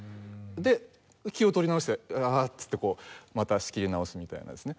で気を取り直してワっつってまた仕切り直すみたいなですね。